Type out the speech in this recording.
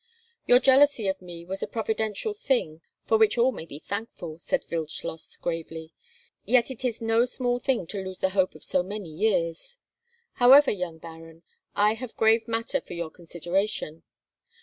"Your jealousy of me was a providential thing, for which all may be thankful," said Wildschloss gravely; "yet it is no small thing to lose the hope of so many years! However, young Baron, I have grave matter for your consideration.